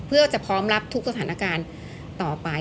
เพื่อจะพร้อมรับทุกสถานการณ์ต่อไป